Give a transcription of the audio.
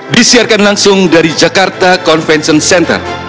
disiarkan langsung dari jakarta convention center